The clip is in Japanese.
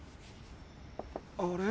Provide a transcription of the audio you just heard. あれ？